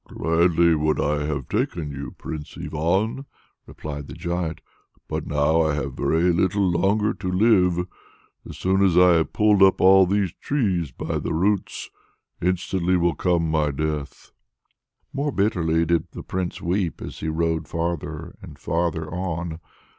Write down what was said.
"Gladly would I have taken you, Prince Ivan!" replied the giant, "but now I have very little longer to live. As soon as I have pulled up all these trees by the roots, instantly will come my death!" More bitterly still did the prince weep as he rode farther and farther on.